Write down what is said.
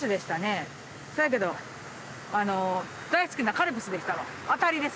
せやけど大好きなカルピスでしたわ。